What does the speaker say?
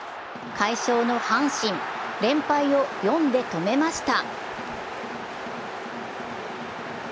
快勝の阪神、連敗を４で止めました。